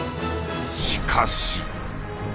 しかし。